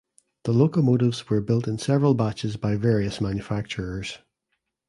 The locomotives were built in several batches by various manufacturers.